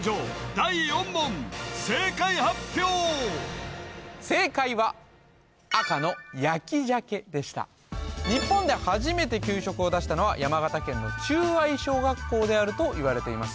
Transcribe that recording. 第４問正解発表正解は赤の焼き鮭でした日本で初めて給食を出したのは山形県の忠愛小学校であるといわれています